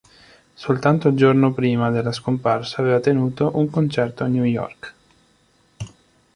Soltanto il giorno prima della scomparsa aveva tenuto un concerto a New York.